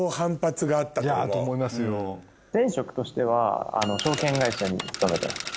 前職としては証券会社に勤めてました。